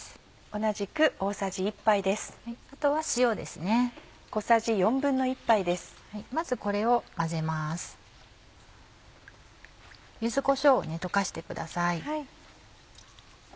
柚子こしょうを溶かしてください。